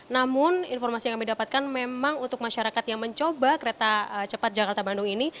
namun informasi yang kami dapatkan memang untuk masyarakat yang mencoba kereta cepat jakarta bandung ini